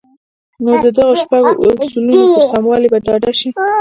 نو د دغو شپږو اصلونو پر سموالي به ډاډه شئ.